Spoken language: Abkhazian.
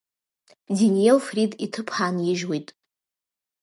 Дениел Фрид иҭыԥ аанижьуеит.